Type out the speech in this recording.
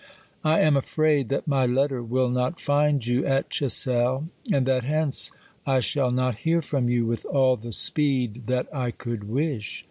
I am afraid that my letter will not find you at Chessel, and that hence I shall not hear from you with all the speed that I could wish.